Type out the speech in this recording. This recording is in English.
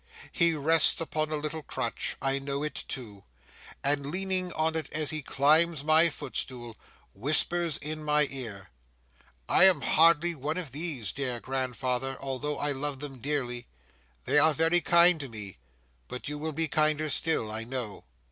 He rests upon a little crutch,—I know it too,—and leaning on it as he climbs my footstool, whispers in my ear, 'I am hardly one of these, dear grandfather, although I love them dearly. They are very kind to me, but you will be kinder still, I know.